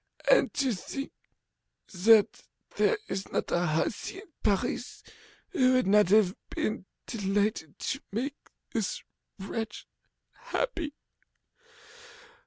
And to think that there is not a hussy in Paris who would not have been delighted to make this wretch happy!